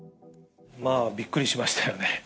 まあ、びっくりしましたよね。